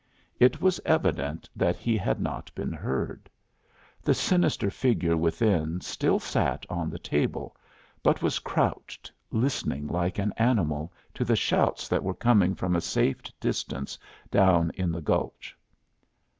It was evident that he had not been heard. The sinister figure within still sat on the table, but was crouched, listening like an animal to the shouts that were coming from a safe distance down in the gulch.